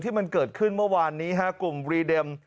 ที่มันเกิดขึ้นเมื่อวานนี้ครับกลุ่มวีเด็ม